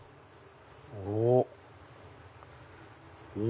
お！